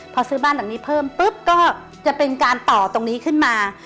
พอซื้อบ้านหลังนี้เพิ่มปุ๊บก็จะเป็นการต่อตรงนี้ขึ้นมา